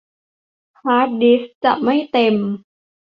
ฮาร์ดดิสก์จะไม่เต็ม